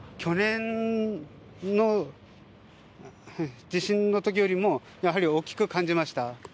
去年の地震のときよりも大きく感じました。